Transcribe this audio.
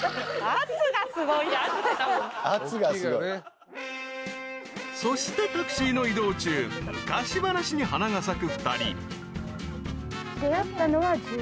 「圧がすごい」［そしてタクシーの移動中昔話に花が咲く２人］